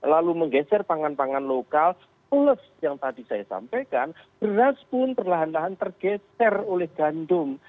lalu menggeser pangan pangan lokal plus yang tadi saya sampaikan beras pun perlahan lahan tergeser oleh gandum